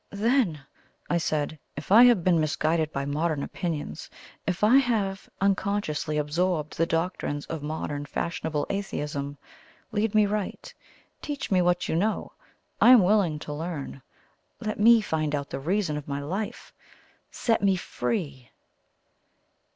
"Then," I said, "if I have been misguided by modern opinions if I have unconsciously absorbed the doctrines of modern fashionable atheism lead me right. Teach me what you know. I am willing to learn. Let me find out the reason of my life. SET ME FREE!"